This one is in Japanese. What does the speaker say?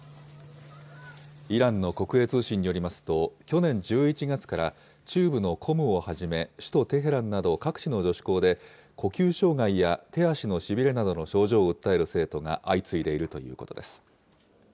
イランの国営通信によりますと、去年１１月から、中部のコムをはじめ、首都テヘランなど各地の女子校で、呼吸障害や手足のしびれなどの症状を訴える生徒が相次いでいるということです。